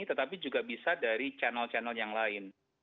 tetapi juga bisa dari channel channel yang lain